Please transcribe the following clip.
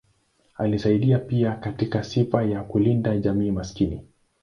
Alisaidia pia katika sifa ya kulinda jamii maskini.